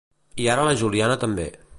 I ara la Juliana també.